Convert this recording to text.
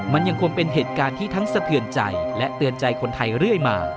มันยังคงเป็นเหตุการณ์ที่ทั้งสะเทือนใจและเตือนใจคนไทยเรื่อยมา